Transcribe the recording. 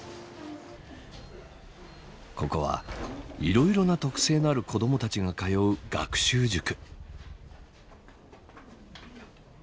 ここはいろいろな特性のある子どもたちが通う学習塾。